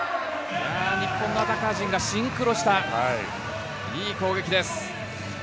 日本のアタッカー陣がシンクロしたいい攻撃です。